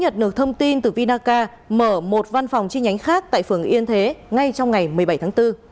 nhận được thông tin từ vinaca mở một văn phòng chi nhánh khác tại phường yên thế ngay trong ngày một mươi bảy tháng bốn